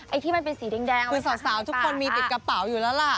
ที่มันเป็นสีแดงคือสาวทุกคนมีติดกระเป๋าอยู่แล้วล่ะ